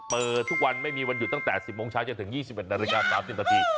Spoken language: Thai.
เปิดทุกวันไม่มีวันหยุดตั้งแต่๑๐โมงเช้าจนถึง๒๑นาฬิกา๓๐นาที